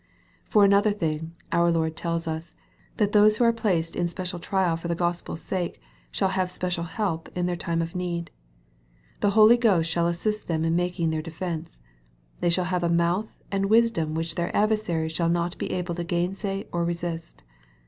(2 Tim. ii. 9.) For another thing, our Lord tells us, that those who are placed in special trial for the Gospel's sake, shall have special help in their time of need. The Holy Ghost shall assist them in making their defence. They shall have a mouth and wisdom which their adversaries shall not be able to gainsay or resist.